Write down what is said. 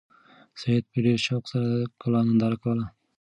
سعید په ډېر شوق سره د کلا ننداره کوله.